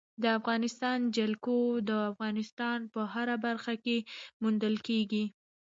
د افغانستان جلکو د افغانستان په هره برخه کې موندل کېږي.